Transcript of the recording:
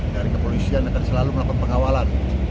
dari kepolisian akan selalu melakukan pengawalan